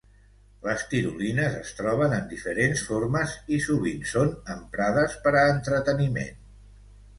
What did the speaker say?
Les tirolines es troben en diferents formes i sovint són emprades per a entreteniment.